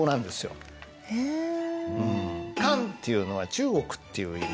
「漢」っていうのは中国っていう意味ですから。